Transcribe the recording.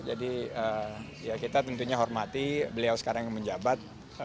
jadi kita tentunya hormati beliau sekarang yang menjabat